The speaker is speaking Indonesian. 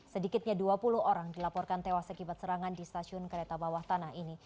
sedikitnya dua puluh orang dilaporkan tewas akibat serangan di stasiun kereta bawah tanah ini